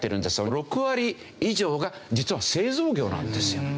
６割以上が実は製造業なんですよ。